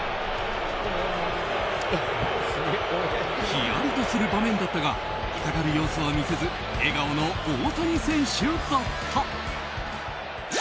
ヒヤリとする場面だったが痛がる様子は見せず笑顔の大谷選手だった。